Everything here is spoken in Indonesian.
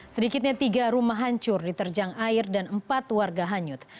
sedikitnya tiga rumah hancur diterjang air dan empat warga hanyut